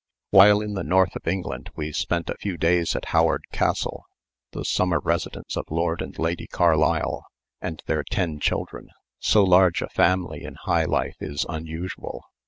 While in the north of England we spent a few days at Howard Castle, the summer residence of Lord and Lady Carlisle and their ten children. So large a family in high life is unusual.